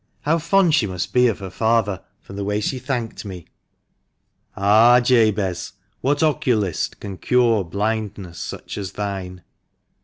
How fond she must be of her father, from the way she thanked me!" (Ah, Jabez ! what oculist can cure blindness such as thine